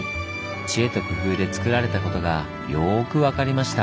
知恵と工夫でつくられたことがよく分かりました。